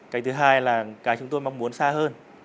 cái thứ hai là cái chúng tôi mong muốn xa hơn